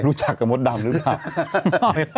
รู้จักกับมดดำหรือเปล่า